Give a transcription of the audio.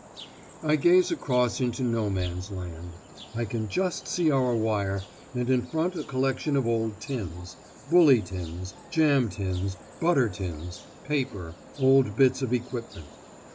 I gaze across into No Man's Land. I can just see our wire, and in front a collection of old tins bully tins, jam tins, butter tins paper, old bits of equipment.